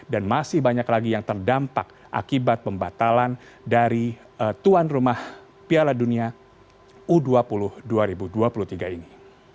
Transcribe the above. dan masih banyak lagi yang terdampak akibat pembatalan dari tuan rumah piala dunia u dua puluh dua ribu dua puluh tiga ini